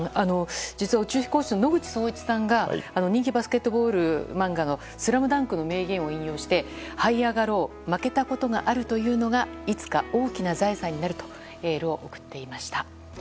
宇宙飛行士の野口聡一さんが人気バスケ漫画の「ＳＬＡＭＤＵＮＫ」の名言を引用して「はいあがろう負けたことがあるというのがいつか大きな財産になる」とエールを送っていました。